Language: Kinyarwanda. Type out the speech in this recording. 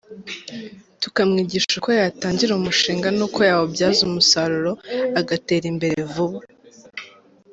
Tukamwigisha uko yatangira umushinga n’uko yawubyaza umusaruro agatera imbere vuba.